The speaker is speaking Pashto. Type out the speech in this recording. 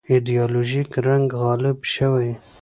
ایدیالوژیک رنګ غالب شوی.